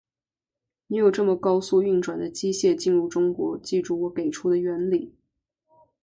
你有这么高速运转的机械进入中国，记住我给出的原理。